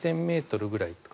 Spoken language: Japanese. ２０００ｍぐらい。